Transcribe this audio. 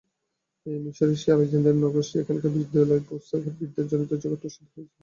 এই মিসরেই সে আলেকজান্দ্রিয়া নগর, যেখানকার বিদ্যালয়, পুস্তাকাগার, বিদ্বজ্জন জগৎপ্রসিদ্ধ হয়েছিল।